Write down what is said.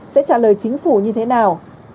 sẽ trả lời chính phủ như thế nào